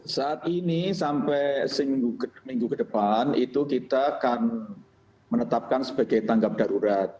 saat ini sampai minggu ke depan itu kita akan menetapkan sebagai tanggap darurat